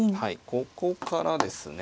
ここからですね。